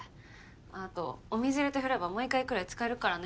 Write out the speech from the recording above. あとお水入れて振ればもう一回くらい使えるからね。